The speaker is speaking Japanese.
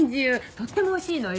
とってもおいしいのよ。